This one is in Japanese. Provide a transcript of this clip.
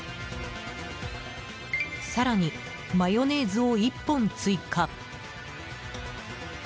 更にマヨネーズを１本追加。